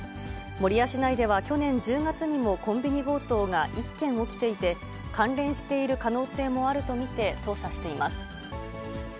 守谷市内では去年１０月にもコンビニ強盗が１件起きていて、関連している可能性もあると見て捜査しています。